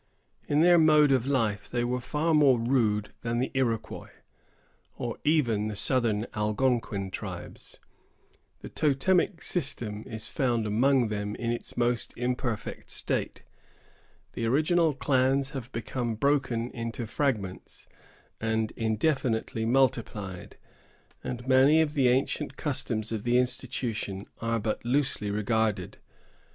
In their mode of life, they were far more rude than the Iroquois, or even the southern Algonquin tribes. The totemic system is found among them in its most imperfect state. The original clans have become broken into fragments, and indefinitely multiplied; and many of the ancient customs of the institution are but loosely regarded.